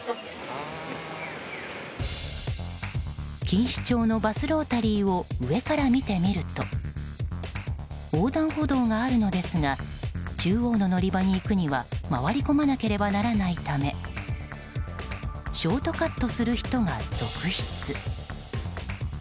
錦糸町のバスロータリーを上から見てみると横断歩道があるのですが中央の乗り場に行くには回り込まなければならないためショートカットする人が続出。